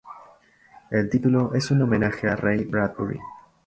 El título es en homenaje a Ray Bradbury.